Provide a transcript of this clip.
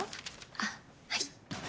あっはい。